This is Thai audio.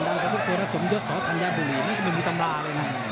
น่าดีจะมีมืออีกตรงกระโดน